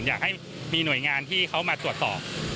อยากให้มีหน่วยงานที่เขามาตรวจสอบ